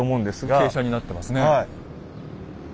傾斜になってますね。